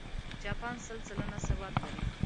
جاپان سل سلنه سواد لري.